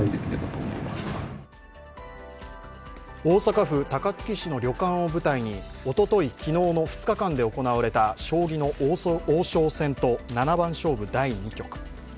大阪府高槻市の旅館を舞台におととい、昨日の２日間で行われた将棋の王将戦と七番勝負第２局。